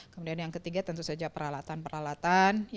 kemudian yang ketiga tentu saja peralatan peralatan